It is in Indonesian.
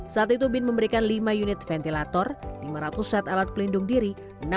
saat itu bin memberikan lima unit ventilator lima ratus set alat pelindung diri